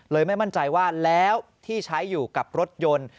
ไม่มั่นใจว่าแล้วที่ใช้อยู่กับรถยนต์